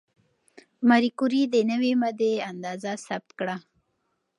ماري کوري د نوې ماده اندازه ثبت کړه.